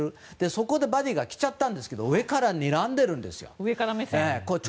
そこでバディーが来ちゃったんですが上からにらんでるんですよ。